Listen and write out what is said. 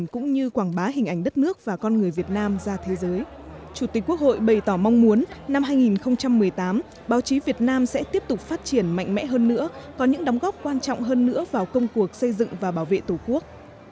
chủ tịch quốc hội chủ tịch quốc hội bày tỏ mong muốn năm hai nghìn một mươi tám báo chí việt nam sẽ tiếp tục phát triển mạnh mẽ hơn nữa có những đóng góp quan trọng hơn nữa vào công cuộc xây dựng và bảo vệ tổ quốc